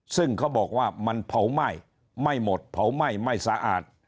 ซึ่งเขาบอกว่ามันเผาไหม้ไม่หมดเผาไหม้ไม่สะอาด